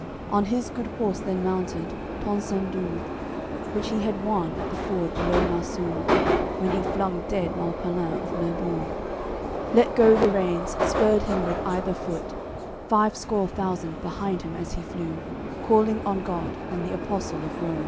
On his good horse then mounted, Tencendur, Which he had won at th'ford below Marsune When he flung dead Malpalin of Nerbune, Let go the reins, spurred him with either foot; Five score thousand behind him as he flew, Calling on God and the Apostle of Roum.